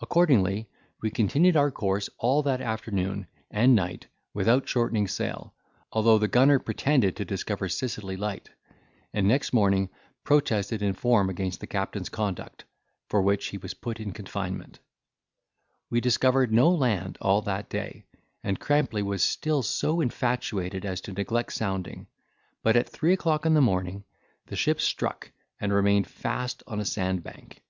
Accordingly we continued our course all that afternoon and night, without shortening sail, although the gunner pretended to discover Scilly light; and next morning protested in form against the captain's conduct, for which he was put in confinement, We discovered no land all that day, and Crampley was still so infatuated as to neglect sounding; but at three o'clock in the morning the ship struck, and remained fast on a sand bank.